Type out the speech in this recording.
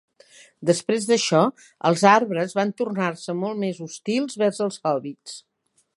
Després d'això, els arbres van tornar-se molt més hostils vers els hòbbits.